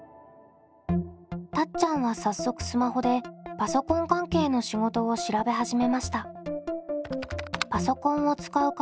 たっちゃんは早速スマホでパソコン関係の仕事を調べ始めました。